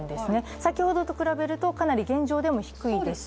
先ほどと比べるとかなり現状でも低いです。